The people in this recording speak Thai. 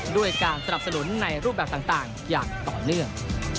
ด้วยการสนับสนุนในรูปแบบต่างอย่างต่อเนื่อง